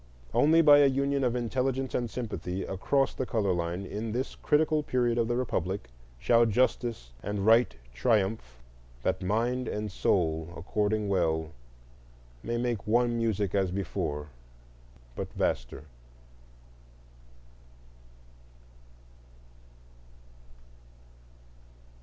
Only by a union of intelligence and sympathy across the color line in this critical period of the Republic shall justice and right triumph, "That mind and soul according well, May make one music as before, But vaster."